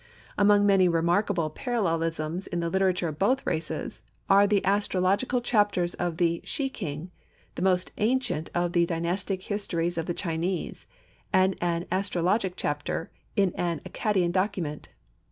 Among many remarkable parallelisms in the literature of both races are the astrological chapters of the "She King," the most ancient of the dynastic histories of the Chinese, and an astrologic chapter in an Accadian document.